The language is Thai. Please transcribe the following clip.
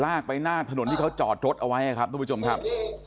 ลากไปหน้าถนนที่เขาจอดรถเอาไว้ครับทุกผู้ชมครับ